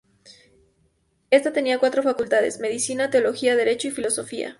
Ésta tenía cuatro facultades: Medicina, Teología, Derecho y Filosofía.